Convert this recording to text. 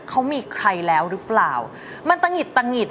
เขามีใครแล้วหรือเปล่ามันตะหิดตะหิด